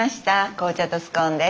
紅茶とスコーンです。